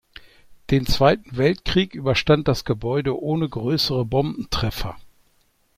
Den Zweiten Weltkrieg überstand das Gebäude ohne größere Bombentreffer.